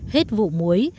hết vụ muối